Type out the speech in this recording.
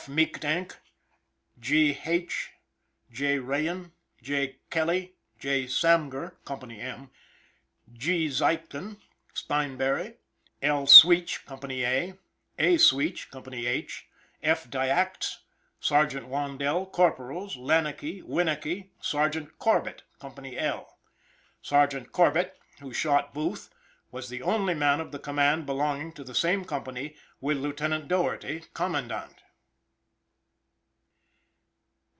Meekdank, G. Haich, J. Raien, J. Kelly, J. Samger (Co. M), G. Zeichton, Steinbury, L. Sweech (Co. A), A. Sweech (Co. H), F. Diacts; Sergeant Wandell; Corporals Lannekey, Winacky; Sergeant Corbett (Co. L). Sergeant Corbett, who shot Booth, was the only man of the command belonging to the same company with Lieutenant Doherty, Commandant.